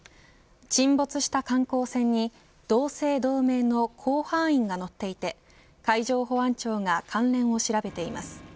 沈没した観光船に同姓同名の甲板員が乗っていて海上保安庁が関連を調べています。